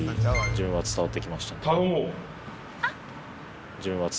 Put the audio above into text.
自分は伝わって来ました。